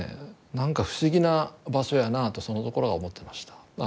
何か不思議な場所やなとそのころは思ってました。